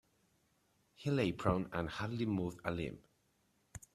He lay prone and hardly moved a limb.